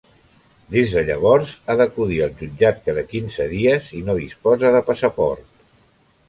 Des de llavors ha d'acudir al jutjat cada quinze dies i no disposa de passaport.